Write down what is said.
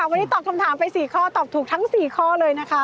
วันนี้ตอบคำถามไป๔ข้อตอบถูกทั้ง๔ข้อเลยนะคะ